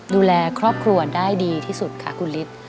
ดูแลครอบครัวได้ดีที่สุดค่ะคุณฤทธิ์